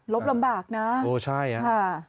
บลำบากนะโอ้ใช่ค่ะ